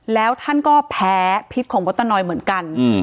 แล้วท่านก็แพ้พิษของมดตะนอยเหมือนกัน